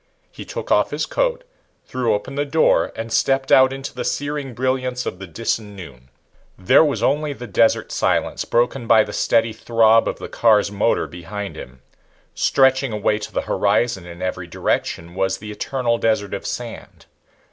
He took off his coat, threw open the door and stepped out into the searing brilliance of the Disan noon. There was only the desert silence, broken by the steady throb of the car's motor behind him. Stretching away to the horizon in every direction was the eternal desert of sand.